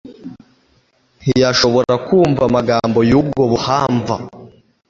ntiyashobora kumva amagambo y'ubwo buhamva.